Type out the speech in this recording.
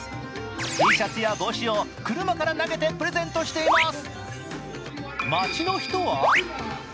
Ｔシャツや帽子を車から投げてプレゼントしています。